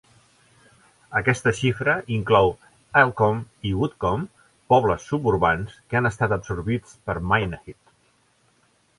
Aquesta xifra inclou Alcombe i Woodcombe, pobles suburbans que han estat absorbits per Minehead.